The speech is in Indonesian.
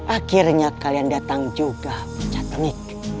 akhirnya kalian datang juga bocah tengik